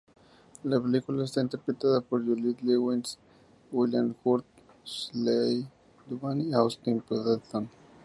La película está interpretada por Juliette Lewis, William Hurt, Shelley Duvall y Austin Pendleton.